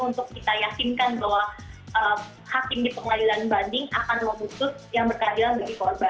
untuk kita yakinkan bahwa hakim di pengadilan banding akan memutus yang berkeadilan bagi korban